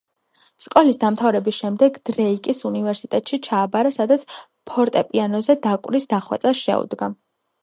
სკოლის დამთავრების შემდეგ დრეიკის უნივერსიტეტში ჩააბარა, სადაც ფორტეპიანოზე დაკვრის დახვეწას შეუდგა.